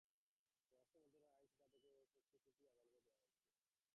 স্বরাষ্ট্র মন্ত্রণালয়ের আইন শাখা থেকে আসা এ-সংক্রান্ত একটি চিঠি আদালতে দেওয়া হয়েছে।